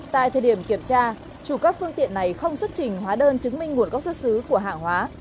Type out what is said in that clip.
tại thời điểm kiểm tra chủ các phương tiện này không xuất trình hóa đơn chứng minh nguồn gốc xuất xứ của hàng hóa